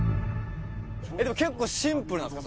結構シンプルなんですか？